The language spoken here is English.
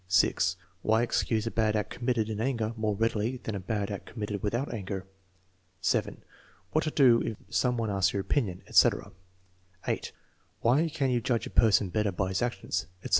(6) Why excuse a bad act committed in anger more readily than a bad act committed without anger. (7) What to do if some one asks your opinion, etc. (8) Why can you judge a person better by his actions, etc.